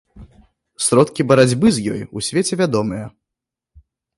Сродкі барацьбы з ёй у свеце вядомыя.